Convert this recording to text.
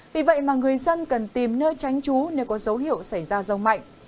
vì vậy người dân cần tìm nơi tránh chú nếu có dấu hiệu xảy ra rông mạnh